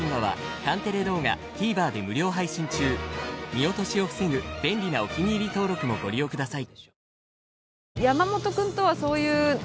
見落としを防ぐ便利なお気に入り登録もご利用ください。